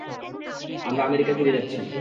আমরা আমেরিকা ফিরে যাচ্ছি।